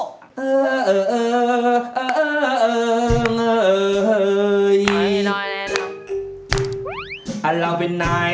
ขออยากให้โทรสักนิดได้มั้ย